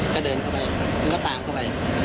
ก็เดินเข้าไปแล้วก็ตามเข้าไป